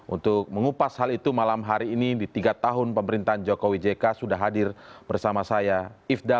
untuk mengupas hal itu malam hari ini di tiga tahun pemerintahan jokowi jk sudah hadir bersama saya